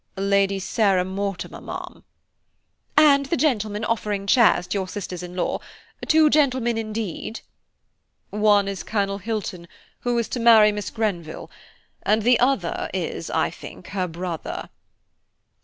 "Lady Sarah Mortimer, ma'am." "And the gentleman offering chairs to your sisters in law–two gentlemen indeed?" "One is Colonel Hilton, who is to marry Miss Grenville, and the other is, I think, her brother."